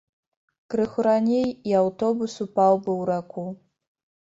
Крыху раней, і аўтобус упаў бы ў раку.